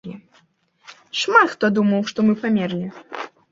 Шмат хто думаў, што мы памерлі.